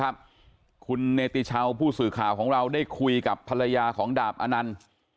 ครับคุณเนติชาวผู้สื่อข่าวของเราได้คุยกับภรรยาของดาบอนันต์